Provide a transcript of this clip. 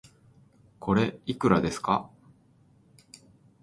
これ、いくらですか